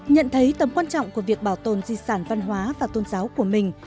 nhận thấy tầm quan trọng của việc bảo tồn di sản văn hóa và tôn giáo của mình